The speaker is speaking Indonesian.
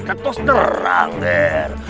ketos terang der